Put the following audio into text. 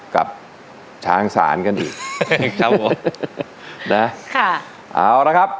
กับชางสารกันอีกนะฮะค่ะเอาละครับ